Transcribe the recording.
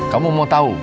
kamu mau tau